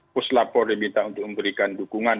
puslapor diminta untuk memberikan dukungan